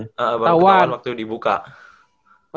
iya baru ketahuan waktu dibuka